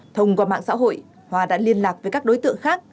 thông qua mạng xã hội hòa đã liên lạc với các đối tượng khác